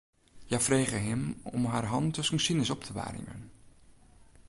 Hja frege him om har hannen tusken sines op te waarmjen.